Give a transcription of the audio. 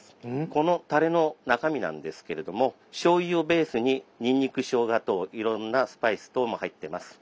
このたれの中身なんですけれどもしょうゆをベースににんにくしょうがといろんなスパイス等も入ってます。